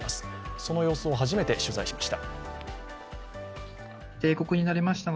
その様子を初めて取材しました。